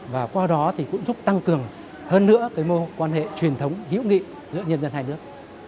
và qua đó thì cũng giúp tăng cường hơn nữa quan hệ truyền thống hữu nghị giữa nhân dân hai nước